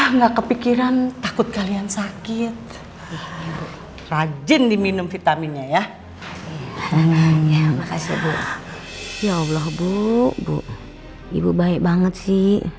ah nggak kepikiran takut kalian sakit rajin diminum vitaminnya ya makasih bu ya allah bu ibu baik banget sih